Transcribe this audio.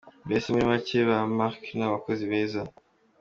Mbese muri make ba Marc ni abakozi beza.